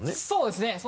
そうですね